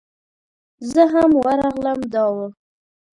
زه هم ورغلم دا و.